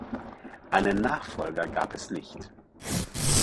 Einen Nachfolger gab es nicht.